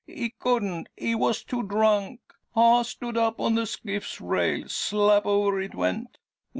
he couldn't, he was too drunk. I stood up on the skiff's rail. Slap over it went.